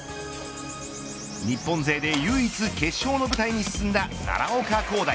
日本勢で唯一決勝の舞台に進んだ奈良岡功大。